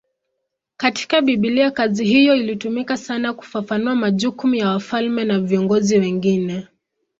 Katika Biblia kazi hiyo ilitumika sana kufafanua majukumu ya wafalme na viongozi wengine.